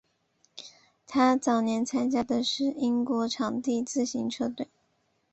他早年参加的是英国场地自行车队。